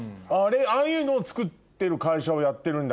ああいうのを作ってる会社をやってるんだ？